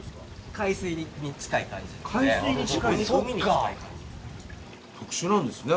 海に近い感じですね。